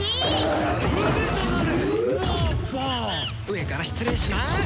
上から失礼します！